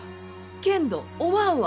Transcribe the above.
けんどおまんは。